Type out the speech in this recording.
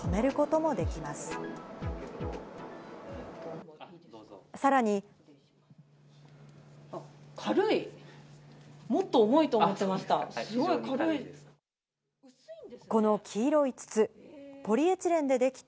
もっと重いと思ってました。